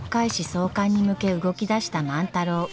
創刊に向け動き出した万太郎。